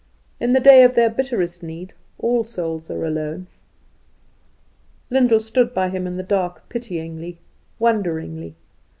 In the day of their bitterest need all souls are alone. Lyndall stood by him in the dark, pityingly, wonderingly.